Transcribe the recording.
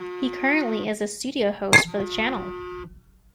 He currently is a studio host for the channel.